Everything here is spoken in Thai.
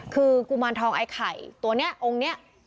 คือกุมารทองไอ้ไข่ตัวนี้องค์นี้